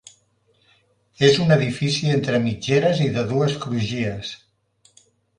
És un edifici entre mitgeres i de dues crugies.